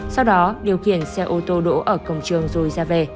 sau đó điều khiển xe ô tô đỗ ở cổng trường rồi ra về